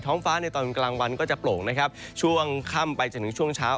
ท้องฟ้าในตอนกลางวันก็จะโปล่งช่วงค่ำไปจนถึงช่วงเช้า